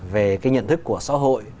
về cái nhận thức của xã hội